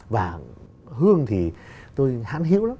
và hương thì tôi hãn hữu lắm